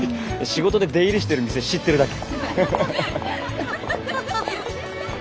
仕事で出入りしてる店知ってるだけ。